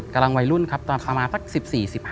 กำลังวัยรุ่นครับมาสัก๑๔๑๕ครับ